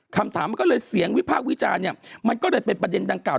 คำถามมันก็เลยเสียงวิพากษ์วิจารณ์เนี่ยมันก็เลยเป็นประเด็นดังกล่า